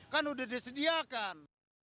kan udah disediakan